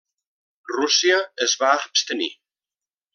Rússia es va abstenir.